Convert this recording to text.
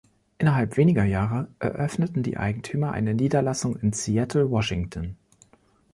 Innerhalb weniger Jahre eröffneten die Eigentümer eine Niederlassung in Seattle, Washington.